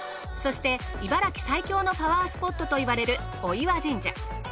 そして茨城最強のパワースポットといわれる御岩神社。